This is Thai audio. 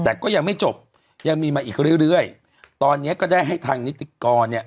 แต่ก็ยังไม่จบยังมีมาอีกเรื่อยเรื่อยตอนเนี้ยก็ได้ให้ทางนิติกรเนี่ย